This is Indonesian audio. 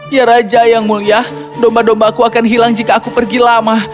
ya raja yang mulia domba domba aku akan hilang jika aku pergi lama